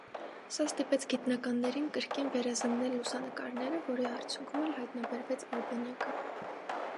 Սա ստիպեց գիտնականներին կրկին վերազննել լուսանկարները, որի արդյունքւոմ էլ հայտնաբերվեց արբանյակը։